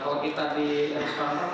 kalau kita di restoran ada